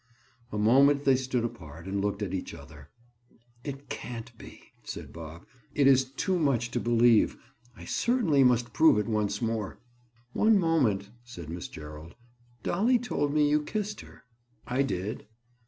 A moment they stood apart and looked at each other. "It can't be," said Bob. "It is too much to believe. I certainly must prove it once more." "One moment," said Miss Gerald. "Dolly told me you kissed her." "I did."